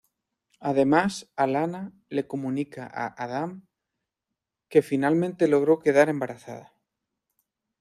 Además, Alanna le comunica a Adam que finalmente logró quedar embarazada.